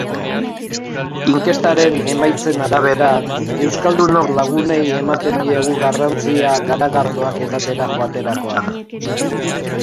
Inkestaren emaitzen arabera, euskaldunok lagunei ematen diegu garrantzia garagardoak edatera joaterakoan.